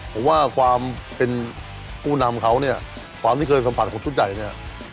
ผมว่าความเป็นผู้นำเขาเนี่ยความที่เคยสัมผัสของชุดใหญ่เนี่ย